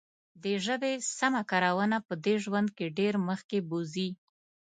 د ژبې سمه کارونه به دې ژوند کې ډېر مخکې بوزي.